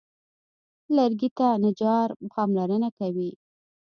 لرګي ته نجار پاملرنه کوي.